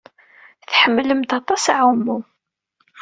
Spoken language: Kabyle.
Tḥemmlemt aṭas aɛumu.